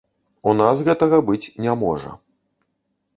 У нас гэтага быць не можа.